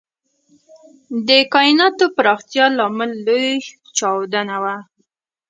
د کائناتو پراختیا لامل لوی چاودنه وه.